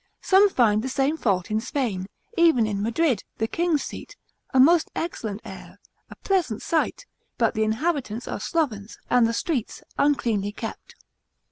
Some find the same fault in Spain, even in Madrid, the king's seat, a most excellent air, a pleasant site; but the inhabitants are slovens, and the streets uncleanly kept.